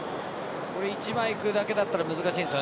１枚行くだけだったら難しいです。